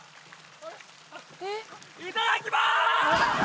いただきます！